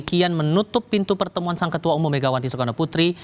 kian menutup pintu pertemuan sang ketua umum megawati soekarno putri